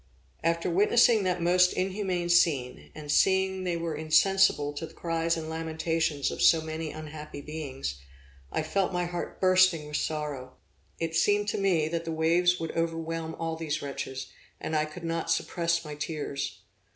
After witnessing that most inhuman scene, and seeing they were insensible to the cries and lamentations of so many unhappy beings, I felt my heart bursting with sorrow. It seemed to me that the waves would overwhelm all these wretches, and I could not suppress my tears.